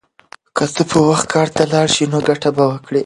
که ته په وخت کار ته لاړ شې نو ګټه به وکړې.